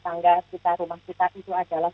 tangga kita rumah kita itu adalah